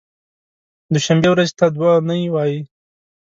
دوشنبې ورځې ته دو نۍ وایی